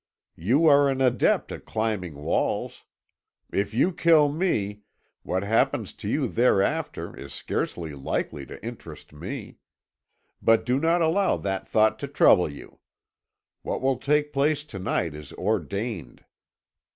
'You are an adept at climbing walls. If you kill me, what happens to you thereafter is scarcely likely to interest me. But do not allow that thought to trouble you. What will take place to night is ordained!'